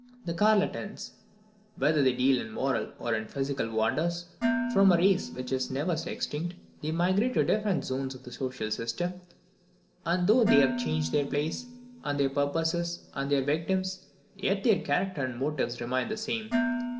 The charlatans, whether they deal in moral or in physical wonders, form a race which is never extinct. They migrate to the different zones of the social system, and though they change their place, and their purposes, and their victims, yet their character and motives remain the same.